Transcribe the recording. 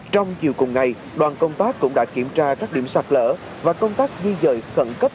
trong chiều cùng ngày đoàn công tác cũng đã kiểm tra các điểm sạt lỡ và công tác di dời khẩn cấp